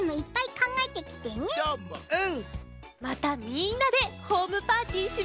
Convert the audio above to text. またみんなでホームパーティーしましょうね！